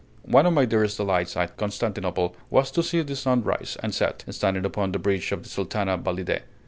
One of my dearest delights at Constantinople was to see the sun rise and set, standing upon the bridge of the Sultana Validé.